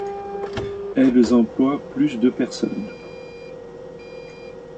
Elles emploient plus de personnes.